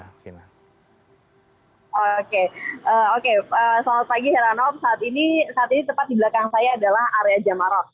oke oke selamat pagi heran of saat ini saat ini tepat di belakang saya adalah area jamarot